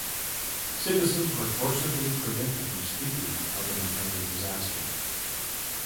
Citizens were forcibly prevented from speaking of an impending disaster.